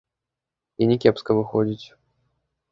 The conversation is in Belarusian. І не кепска выходзіць.